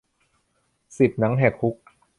สิบ หนังแหกคุก